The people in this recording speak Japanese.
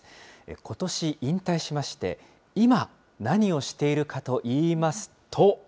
ことし引退しまして、今、何をしているかといいますと。